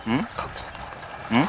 うん？